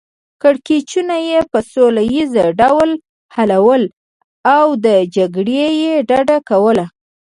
کړکیچونه یې په سوله ییز ډول حلول او له جګړو یې ډډه کوله.